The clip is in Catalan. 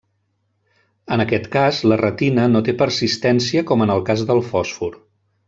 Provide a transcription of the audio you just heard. En aquest cas, la retina no té persistència com en el cas del fòsfor.